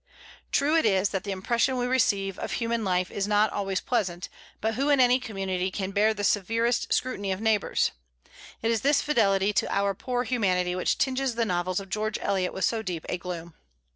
True it is that the impression we receive of human life is not always pleasant; but who in any community can bear the severest scrutiny of neighbors? It is this fidelity to our poor humanity which tinges the novels of George Eliot with so deep a gloom.